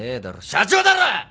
社長だろ！